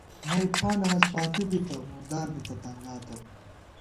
نئ ٹھانہ ہست پاتُو بِتہ ، مُردار بِتہ ، تنگاتہ